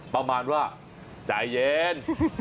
ประมาณว่าใจเย็น